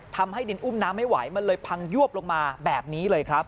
ทำให้ดินอุ้มน้ำไม่ไหวมันเลยพังยวบลงมาแบบนี้เลยครับ